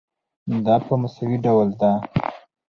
دا په مساوي ډول ده.